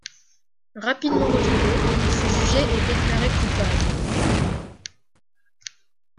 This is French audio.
Rapidement retrouvé, il fut jugé et déclaré coupable.